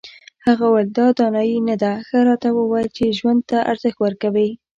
هغه وویل دا دانایي نه ده ښه راته ووایه چې ژوند ته ارزښت ورکوې.